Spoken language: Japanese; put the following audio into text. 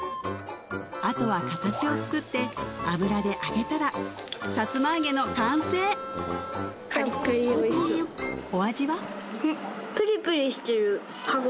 あとは形を作って油で揚げたらさつま揚げの完成お味は？